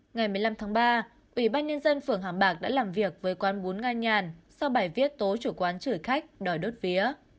ngày một mươi năm tháng ba ủy ban nhân dân phường hàm bạc đã làm việc với quán bún nga nhàn sau bài viết tố chủ quán chửi khách đòi đốt vía